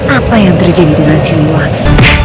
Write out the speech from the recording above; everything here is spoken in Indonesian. apa yang terjadi dengan siluwati